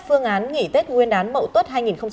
phương án nghỉ tết nguyên đán mậu tuất hai nghìn một mươi tám